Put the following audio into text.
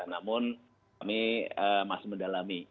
namun kami masih mendalami